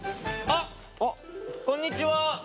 あっこんにちは